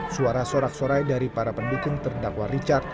suara sorak sorai dari para pendukung terdakwa richard